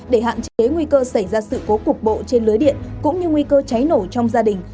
để hạn chế nguy cơ xảy ra sự cố cục bộ trên lưới điện cũng như nguy cơ cháy nổ trong gia đình